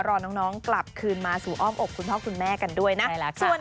รอน้องกลับคืนมาสู่อ้อมอกคุณพ่อคุณแม่กันด้วยนะ